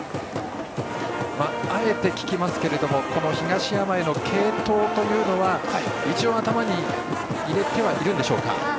あえて聞きますけども東山への継投というのは一応、頭に入れてはいるんですか。